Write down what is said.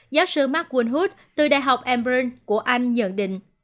giáo sư mark wynhut từ đại học edinburgh của anh nhận định